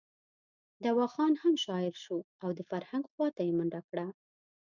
دوا خان هم شاعر شو او د فرهنګ خواته یې منډه کړه.